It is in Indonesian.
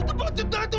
lo penutup tahu gak ngo